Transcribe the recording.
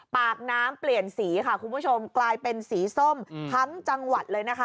ปากน้ำเปลี่ยนสีค่ะคุณผู้ชมกลายเป็นสีส้มทั้งจังหวัดเลยนะคะ